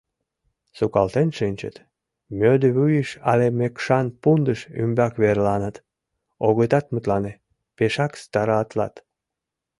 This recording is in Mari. Сукалтен шинчыт, мӧдывуйыш але мекшан пундыш ӱмбак верланат, огытат мутлане, пешак старатлат.